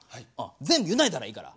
全部委ねたらいいから。